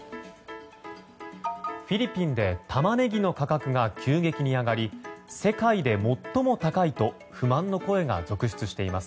フィリピンでタマネギの価格が急激に上がり世界で最も高いと不満の声が続出しています。